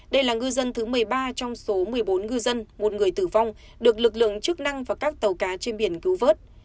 đây là ngư dân thứ một mươi ba trong số một mươi bốn ngư dân một người tử vong được lực lượng chức năng và các tàu cá trên biển cứu vớt